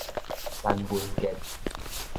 陳文傑